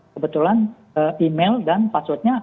kebetulan email dan data dasarnya